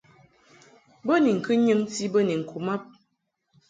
Bo ni ŋkɨ nyɨŋti bə ni ŋku mab.